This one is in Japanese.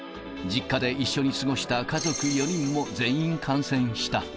実家で一緒に過ごした家族４人も全員感染した。